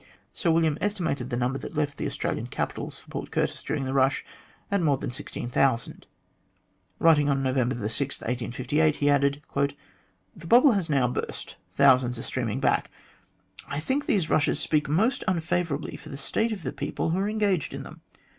Sir William estimated the number that left the Australian capitals for Port Curtis during the rush at more than 16,000. Writing on November 6, 1858, he added :" The bubble has now burst ; thousands are streaming back. I think these rushes speak most unfavourably for the state of the people who are engaged in them.